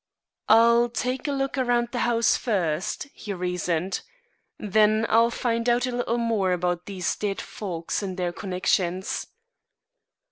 "I'll take a look around the house first," he reasoned. "Then I'll find out a little more about these dead folks and their connections."